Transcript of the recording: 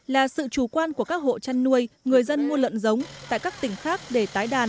là sự chủ quan của các hộ chăn nuôi người dân mua lợn giống tại các tỉnh khác để tái đàn